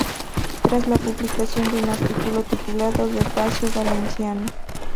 Tras la publicación de un artículo titulado "El fascio valenciano.